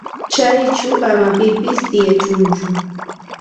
Chayćhu ama pipis tiyachunchu.